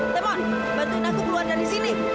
teman bantuin aku keluar dari sini